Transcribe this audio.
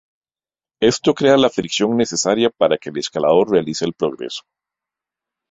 Esto crea la fricción necesaria para que el escalador realice el progreso.